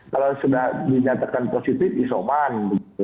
kalau sudah dinyatakan positif isoman